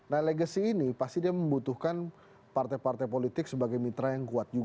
nah legacy ini pasti dia membutuhkan partai partai politik sebagai mitra yang kuat juga